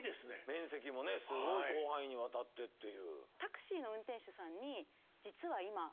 面積もねすごい広範囲にわたってっていう。